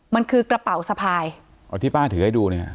มันคือกระเป๋าสะพายอ๋อที่ป้าถือให้ดูเนี่ย